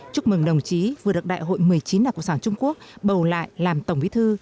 chúc mừng đồng chí vừa được đại hội một mươi chín đảng cộng sản trung quốc bầu lại làm tổng bí thư